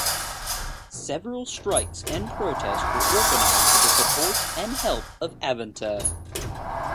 Several strikes and protests were organized, with the support and help of "Avante!".